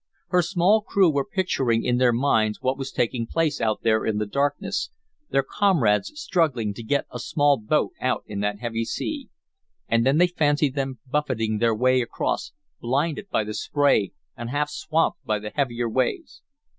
Her small crew were picturing in their minds what was taking place out there in the darkness, their comrades struggling to get a small boat out in that heavy sea. And then they fancied them buffeting their way across, blinded by the spray and half swamped by the heavier waves.